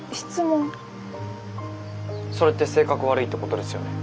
「それって性格悪いってことですよね」。